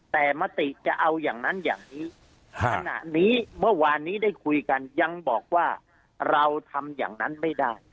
แต่มติจะเอาอย่างนั้นอย่างนี้ขณะนี้เมื่อวานนี้ได้คุยกันยังบอกว่าเราทำอย่างนั้นไม่ได้